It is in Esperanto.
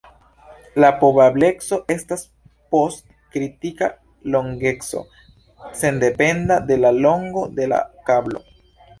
La probableco estas post kritika longeco sendependa de la longo de la kablo.